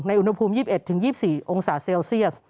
อุณหภูมิ๒๑๒๔องศาเซลเซียส